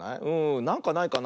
なんかないかな。